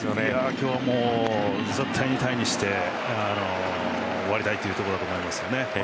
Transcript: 今日、絶対にタイにして終わりたいというところだと思います。